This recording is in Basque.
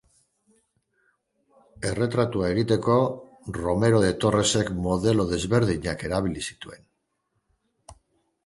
Erretratua egiteko Romero de Torresek modelo desberdinak erabili zituen.